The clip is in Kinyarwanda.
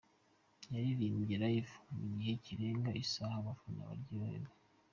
Yaririmbye live mu gihe kirenga isaha abafana baryohewe.